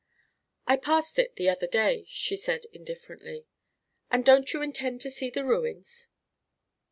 "I passed it the other day," she said, indifferently. "And don't you intend to see the ruins?"